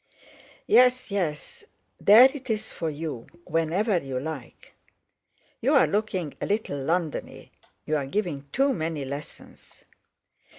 "Yes, yes; there it is for you whenever you like. You're looking a little Londony; you're giving too many lessons."